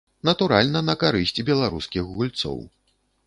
Натуральна, на карысць беларускіх гульцоў.